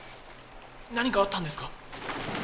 何かあったんですか？